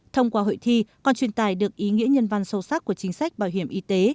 thông qua hội thi còn truyền tài được ý nghĩa nhân văn sâu sắc của chính sách bảo hiểm y tế